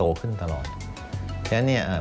กระแสรักสุขภาพและการก้าวขัด